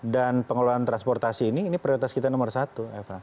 dan pengelolaan transportasi ini ini prioritas kita nomor satu eva